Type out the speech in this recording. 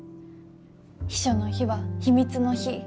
秘書の秘は秘密の秘。